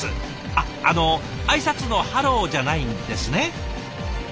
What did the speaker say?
あっあの挨拶の「ハロー」じゃないんですね。